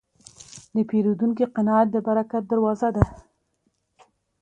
د پیرودونکي قناعت د برکت دروازه ده.